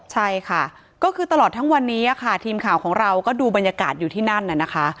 ใช่ค่ะก็คือตลอดทั้งวันนี้ค่ะทีมข่าวของเราก็ดูบรรยากาศอยู่ที่นั่นน่ะนะคะ